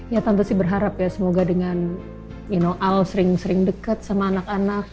ya tante sih berharap ya semoga dengan you know al sering sering deket sama anak anak